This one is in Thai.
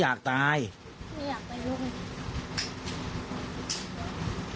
ไม่อยากไปลุง